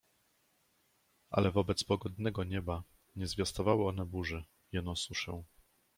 Ale wobec pogodnego nieba nie zwiastowały one burzy, jeno suszę.